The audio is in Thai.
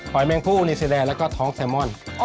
หอยแมงผู้อุนิสิแลแล้วก็ท้องแซมอน